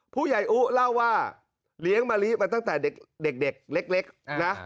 ผู้ใหญ่อุ๊เล่าว่าเลี้ยงมะลิมาตั้งแต่เด็กเล็กนะ